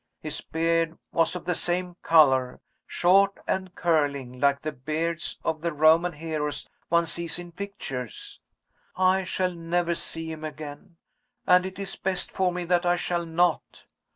His beard was of the same color; short and curling, like the beards of the Roman heroes one sees in pictures. I shall never see him again and it is best for me that I shall not.